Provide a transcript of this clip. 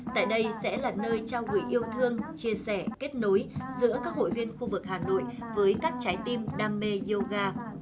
tại đây sẽ là nơi trao gửi yêu thương chia sẻ kết nối giữa các hội viên khu vực hà nội với các trái tim đam mê yoga